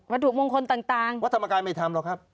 ถูกมงคลต่างวัดธรรมกายไม่ทำหรอกครับ